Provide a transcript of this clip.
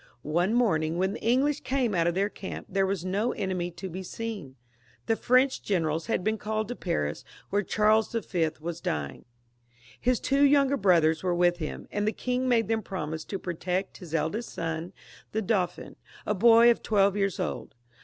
One morning, when the English came out of their camp, there was no enemy to be seen. The French generals had been called to Paris, where Charles V. was dying. His two younger brothers were with him, and the king made them promise to protect his eldest son, the Dauphin, a boy of twelve years old.